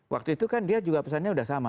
waktu itu kan dia juga pesannya sudah sama